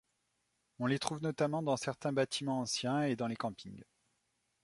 On les trouve notamment dans certains bâtiments anciens et dans les campings.